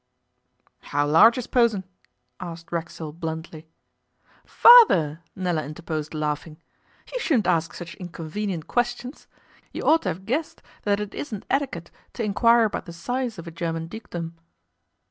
'How large is Posen?' asked Racksole bluntly. 'Father,' Nella interposed laughing, 'you shouldn't ask such inconvenient questions. You ought to have guessed that it isn't etiquette to inquire about the size of a German Dukedom.